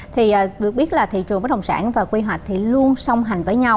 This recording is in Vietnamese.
thì được biết là thị trường bất đồng sản và quy hoạch thì luôn song hành với nhau